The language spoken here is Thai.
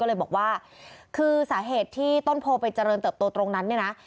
ก็เลยบอกว่าคือสาเหตุที่ต้นโพไปเจริญเติบโตตรงนั้นเนี่ยนะ